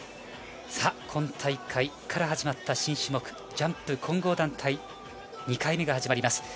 今大会から始まった新種目ジャンプ混合団体２回目が始まります。